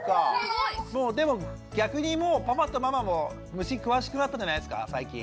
でも逆にもうパパとママも虫に詳しくなったんじゃないんですか最近。